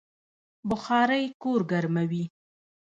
بخارۍ کور ګرموي